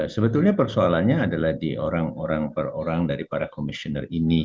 sebetulnya persoalannya adalah di orang orang per orang dari para komisioner ini